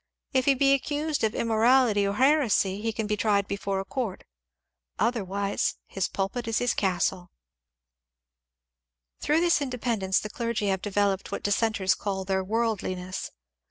If he be accused of im morality or heresy, he can be tried before a court ; otherwise his pulpit is his castle. THE ENGLISH CLERGY 323 Tbrougli this independence the clergy have developed what dissenters call their worldliness.